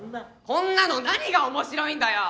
こんなの何が面白いんだよ！